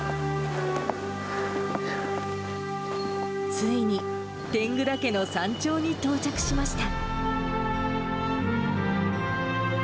ついに天狗岳の山頂に到着しました。